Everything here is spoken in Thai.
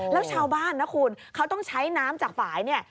แล้วชาวบ้านนะคุณเขาต้องใช้น้ำจากฝ่ายเนี่ย